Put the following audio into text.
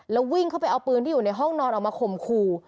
แล้ววิ่งเข้าไปเอาปืนที่อยู่ในห้องนอนออกมาข่มขู่